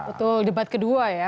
betul debat kedua ya